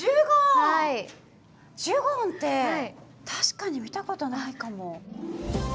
ジュゴンって確かに見たことないかも。